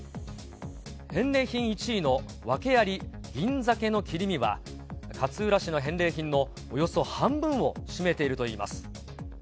返礼品１位の訳あり銀鮭の切り身は、勝浦市の返礼品のおよそ半分を占めているといいます。